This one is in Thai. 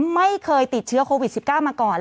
ไม่เคยติดเชื้อโควิด๑๙มาก่อน